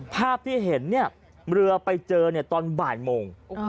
ภาพที่เห็นเนี่ยเรือไปเจอตอนบ่ายโมง